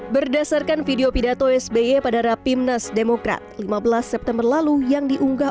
berdasarkan video pidato sby pada rapimnas demokrat lima belas september lalu yang diunggah